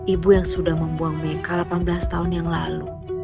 ibu yang sudah membuang mereka delapan belas tahun yang lalu